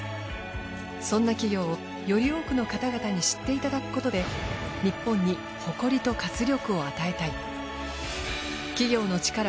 そんな企業をより多くの方々に知っていただくことで日本に誇りと活力を与えたい。